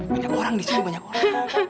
banyak orang di sini banyak orang